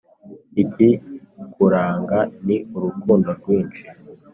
ikikuranga ni urukundo rwinshi